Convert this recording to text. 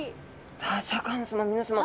さあシャーク香音さま皆さま。